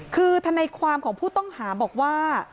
คือธนายความของผู้ต้องหาบอกว่า